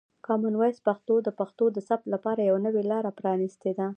کامن وایس پښتو د پښتو د ثبت لپاره یوه نوې لاره پرانیستې ده.